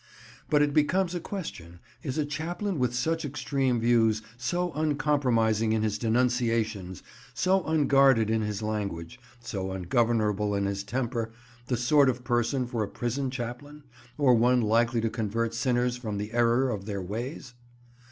But it becomes a question, is a chaplain with such extreme views, so uncompromising in his denunciations, so unguarded in his language, so ungovernable in his temper, the sort of person for a prison chaplain, or one likely to convert sinners from the error of their ways?